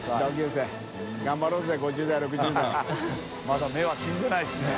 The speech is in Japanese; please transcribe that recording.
まだ目は死んでないですね。